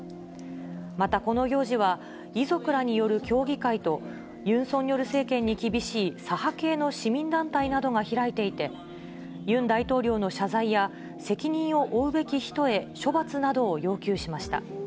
またこの行事は、遺族らによる協議会と、ユン・ソンニョル政権に厳しい左派系の市民団体などが開いていて、ユン大統領の謝罪や、責任を負うべき人へ処罰などを要求しました。